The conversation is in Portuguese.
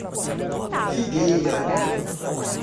Figueira